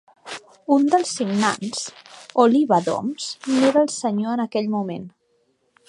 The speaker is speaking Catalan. Un dels signants, Oliba d'Oms, n'era el senyor en aquell moment.